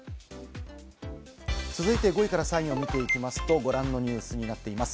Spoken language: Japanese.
続いて５位から３位を見ていきますとご覧のニュースになっています。